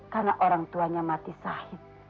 karena orang tuanya mati sahib